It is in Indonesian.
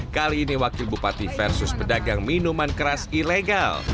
kali ini wakil bupati versus pedagang minuman keras ilegal